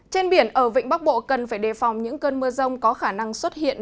trên biển ở vịnh bắc bộ cần phải đề phòng những cơn mưa rông có khả năng xuất hiện